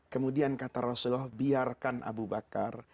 kemudian kata rasulullah biarkan abu bakar